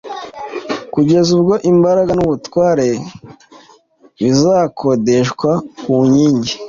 Kugeza ubwo imbaraga n'ubutware bizakodeshwa ku nkingi,